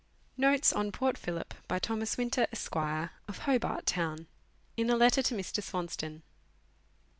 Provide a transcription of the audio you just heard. NOTES ON PORT PHILLIP, BY THOMAS WINTER, ESQ., OP HOBART TOWN, IN A LETTER TO MR. SwANSTON.